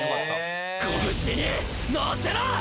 拳に乗せろ！